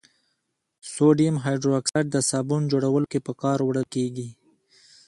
سودیم هایدروکساید د صابون جوړولو کې په کار وړل کیږي.